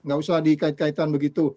nggak usah dikait kaitan begitu